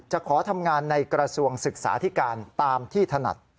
ขอทำงานในกระทรวงศึกษาธิการตามที่ถนัด